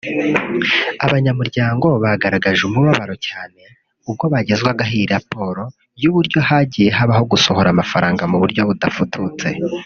Abanyamuryango bagaragaje umubabaro cyane ubwo bagezwagaho iyi raporo y’uburyo hagiye habaho gusohora amafaranga mu buryo budafututse